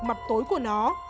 mặt tối của nó